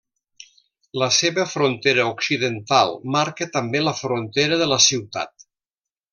La seva frontera occidental marca també la frontera de la ciutat.